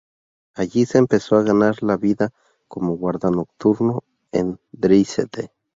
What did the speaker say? Allí se empezó a ganar la vida como guarda nocturno en Dresde.